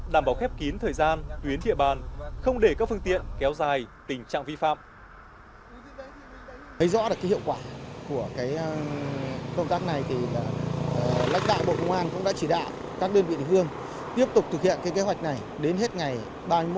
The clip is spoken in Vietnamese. đảm bảo khép kín thời gian tuyến địa bàn không để các phương tiện kéo dài tình trạng vi phạm